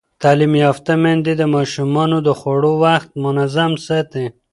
تعلیم یافته میندې د ماشومانو د خوړو وخت منظم ساتي.